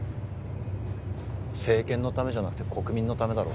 政権のためじゃなくて国民のためだろ